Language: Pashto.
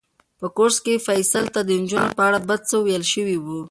په کورس کې فیصل ته د نجونو په اړه بد څه ویل شوي وو.